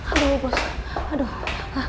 aduh ya bos aduh